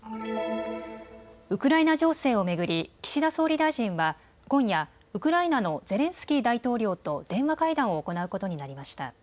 ウクライナ情勢を巡り岸田総理大臣は、今夜、ウクライナのゼレンスキー大統領と電話会談を行うことになりました。